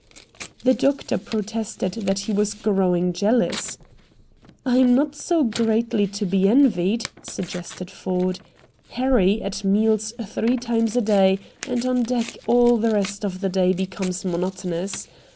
The doctor protested that he was growing jealous. "I'm not so greatly to be envied," suggested Ford. "'Harry' at meals three times a day and on deck all the rest of the day becomes monotonous.